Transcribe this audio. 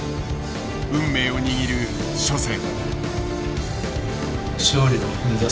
運命を握る初戦。